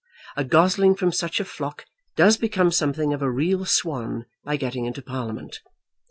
A gosling from such a flock does become something of a real swan by getting into Parliament.